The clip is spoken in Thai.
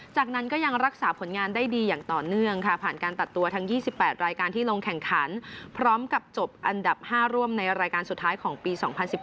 จากนั้นก็ยังรักษาผลงานได้ดีอย่างต่อเนื่องค่ะผ่านการตัดตัวทั้ง๒๘รายการที่ลงแข่งขันพร้อมกับจบอันดับ๕ร่วมในรายการสุดท้ายของปี๒๐๑๙